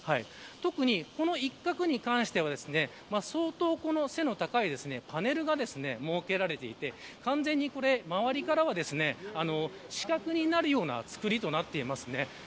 特に、この一角に関しては相当背の高いパネルが設けられていて完全に周りからは死角になるような作りです。